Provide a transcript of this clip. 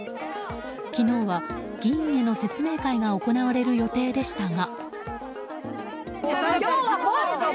昨日は議員への説明会が行われる予定でしたが。